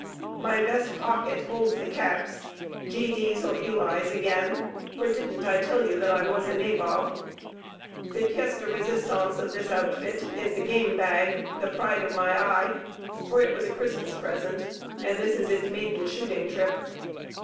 My vest pocket holds the caps, G. D.'s or Ely's again, for didn't I tell you that I was a nabob. The pièce de résistance of this outfit is the game bag, the pride of my eye, for it was a Christmas present, and this is its maiden shooting trip.